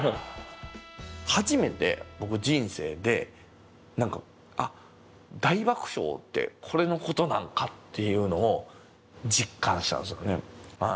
初めて僕人生で大爆笑ってこれのことなんかっていうのを実感したんですよね。